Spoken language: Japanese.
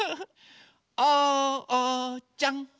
おうちゃん。